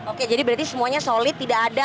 oke jadi berarti semuanya solid